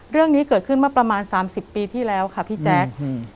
เรื่องนี้เกิดขึ้นเมื่อประมาณ๓๐ปีที่แล้วค่ะพี่แจ๊ค